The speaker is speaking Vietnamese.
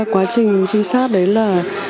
quá trình trinh sát đấy là